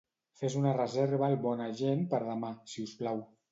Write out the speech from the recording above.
Fes una reserva al Bona Gent per demà, si us plau.